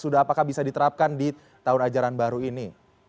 sudah apakah bisa diterapkan di tahun ajaran baru ini